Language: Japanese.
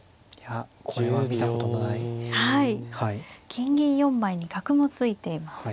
金銀４枚に角もついています。